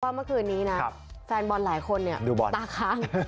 ว่าเมื่อคืนนี้นะแฟนบอลหลายคนตาค้าง